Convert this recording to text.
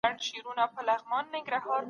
د موضوع مخینه د استاد لخوا وڅېړل سوه.